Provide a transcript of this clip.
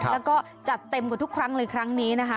แล้วก็จัดเต็มกว่าทุกครั้งเลยครั้งนี้นะคะ